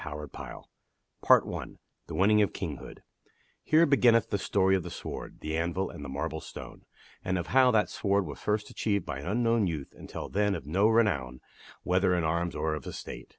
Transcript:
PAX CVM JVSTIC1/E ,' PART I The Winning of Kinghood TJERE beginneth the story of the sword, the anvil, and the marble stone, and of how that sword was first achieved by an unknown youth, until then of no renown, whether in arms or of estate.